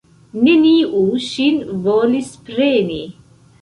Neniu ŝin volis preni.